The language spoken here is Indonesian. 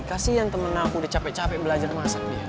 kasian temen aku udah capek capek belajar masak dia